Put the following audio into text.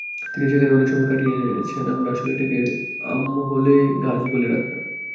তিনি সেখানে অনেক সময় কাটিয়েছেন, আমরা আসলে এটাকে আমহলে গাছ বলে ডাকতাম।